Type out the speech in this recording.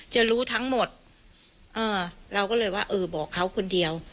จะรู้ทั้งหมดเราก็เลยว่าเออบอกเขาคนเดียว